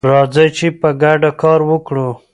راځئ چې په ګډه کار وکړو.